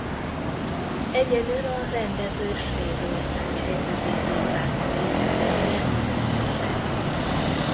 Egyedül a rendező Svédország helyzetét bízzák a véletlenre a döntőben.